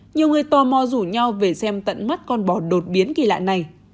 nhiều người tò mò rủ nhau về xem tận mắt con bò đột biến kỳ lạ này